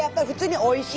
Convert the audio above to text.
おいしい！